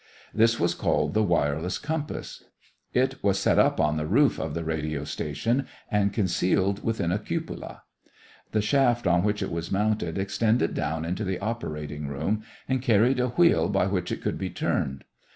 This was called the "wireless compass." It was set up on the roof of the radio station and concealed within a cupola. The shaft on which it was mounted extended down into the operating room and carried a wheel by which it could be turned.